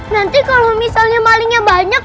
nanti kalau misalnya malingnya banyak